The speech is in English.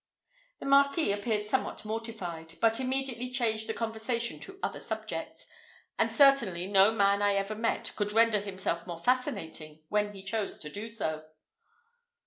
The Marquis appeared somewhat mortified, but immediately changed the conversation to other subjects, and certainly no man I ever met could render himself more fascinating when he chose to do so.